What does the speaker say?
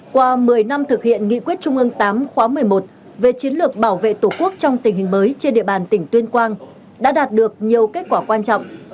qua một mươi năm thực hiện nghị quyết trung ương tám khóa một mươi một về chiến lược bảo vệ tổ quốc trong tình hình mới trên địa bàn tỉnh tuyên quang đã đạt được nhiều kết quả quan trọng